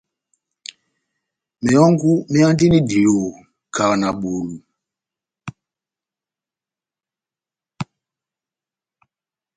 Mehɔngu méhandini diyoho kahá na bulu.